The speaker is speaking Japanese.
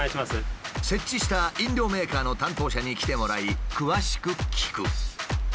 設置した飲料メーカーの担当者に来てもらい詳しく聞く。